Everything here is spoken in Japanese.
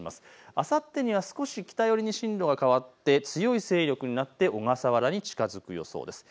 あさってには少し北寄りに進路が変わって強い勢力になって小笠原に近づく予想です。